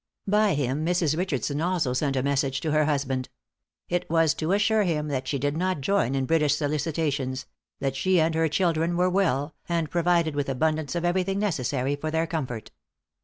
By him Mrs. Richardson also sent a message to her husband. It was to assure him that she did not join in British solicitations; that she and her children were well, and provided with abundance of everything necessary for their comfort.